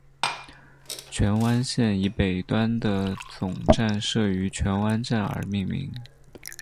荃湾线以北端的总站设于荃湾站而命名。